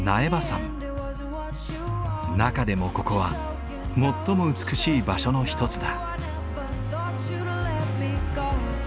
中でもここは最も美しい場所の一つだ。